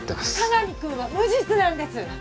加々見君は無実なんです